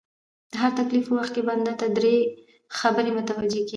د هر تکليف په وخت کي بنده ته دری خبري متوجې کيږي